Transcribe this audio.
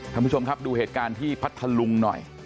ท่านผู้ชมครับดูเหตุการณ์ที่พัทธลุงหน่อย